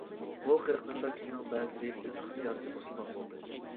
بۇ قىرىق نەپەر كىشىنىڭ بەزىسى ئۆز ئىختىيارىچە مۇسۇلمان بولدى.